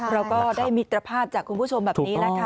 เราก็ได้มิตรภาพจากคุณผู้ชมแบบนี้แหละค่ะ